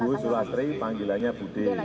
bu sulastri panggilannya budelastri